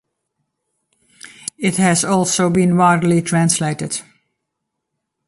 It has also been widely translated.